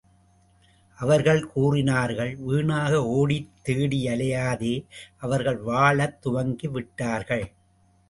அவர்கள் கூறினார்கள், வீணாக ஒடித் தேடியலையாதே அவர்கள் வாழத் துவங்கி விட்டார்கள்.